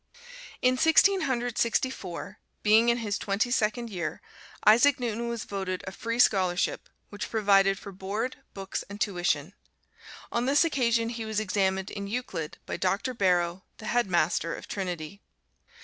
In Sixteen Hundred Sixty four, being in his twenty second year, Isaac Newton was voted a free scholarship, which provided for board, books and tuition. On this occasion he was examined in Euclid by Doctor Barrow, the Head Master of Trinity.